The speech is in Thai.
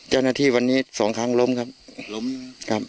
เจ้าหน้าที่วันนี้สองครั้งล้มครับล้มครับ